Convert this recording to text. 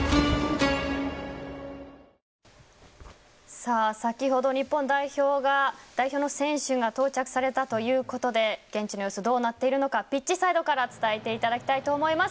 さあ先ほど日本代表が代表の選手が到着されたということで現地の様子、どうなっているかピッチサイドから伝えていただきたいと思います。